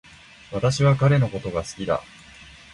私は彼のことが好きだ